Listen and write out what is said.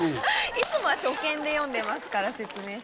いつもは初見で読んでますから説明書。